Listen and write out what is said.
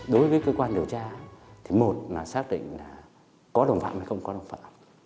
đối với cơ quan điều tra thì một là xác định là có đồng phạm hay không có đồng phạm